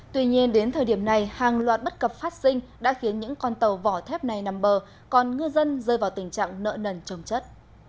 tuy nhiên đến thời điểm này hàng loạt bất cập phát sinh đã khiến những con tàu vỏ thép này nằm bờ còn ngư dân rơi vào tình trạng nợ nần trồng chất